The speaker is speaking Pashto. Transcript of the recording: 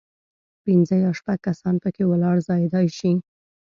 پنځه یا شپږ کسان په کې ولاړ ځایېدای شي.